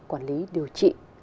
quản lý điều trị